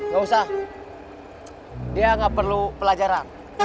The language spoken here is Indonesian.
gak usah dia nggak perlu pelajaran